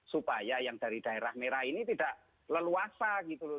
supaya yang dari daerah merah ini tidak leluasa gitu loh